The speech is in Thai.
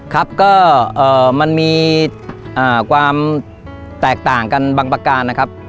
ครับก็มันมีความแตกต่างกันบางประการนะครับ